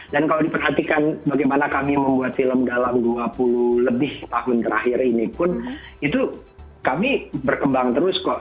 dan kalau diperhatikan bagaimana kami membuat film dalam dua puluh lebih tahun terakhir ini pun itu kami berkembang terus kok